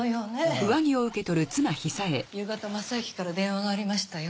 夕方昌之から電話がありましたよ。